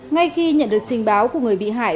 ngay khi nhận được trình báo của người bị hại